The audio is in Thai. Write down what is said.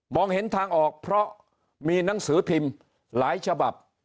เห็นทางออกเพราะมีหนังสือพิมพ์หลายฉบับ